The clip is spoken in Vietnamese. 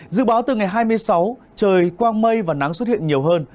dự báo từ ngày hai mươi sáu trời quang mây và nắng xuất hiện nhiều hơn